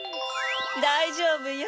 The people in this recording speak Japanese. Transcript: だいじょうぶよ